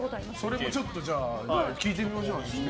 それもちょっと聞いてみましょうか。